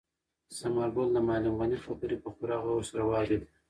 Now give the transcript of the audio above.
ثمرګل د معلم غني خبرې په پوره غور سره واورېدې.